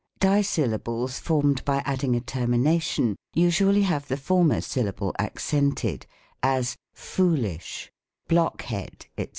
Dissyllables, formed by adding a termination, usually have the former syllable accented : as, " Foolish, block head," &c.